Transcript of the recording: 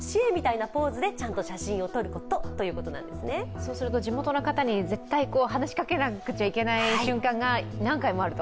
そうすると地元の方に絶対話しかけなくちゃいけない瞬間が何回もあると。